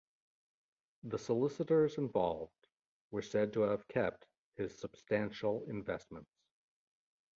The solicitors involved were said to have kept his substantial investments.